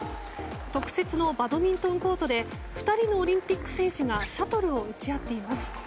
特設のバドミントンコートで２人のオリンピック選手がシャトルを打ち合っています。